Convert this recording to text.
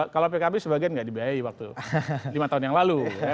kalau pkb sebagian nggak dibiayai waktu lima tahun yang lalu